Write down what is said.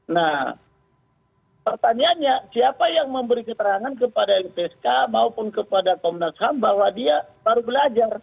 nah pertanyaannya siapa yang memberi keterangan kepada lpsk maupun kepada komnas ham bahwa dia baru belajar